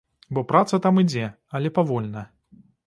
Бо праца там ідзе, але павольна.